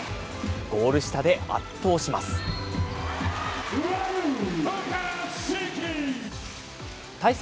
ゴール下で圧倒します。